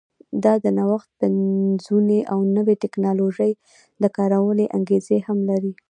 دا د نوښت، پنځونې او نوې ټکنالوژۍ د کارونې انګېزې هم لري.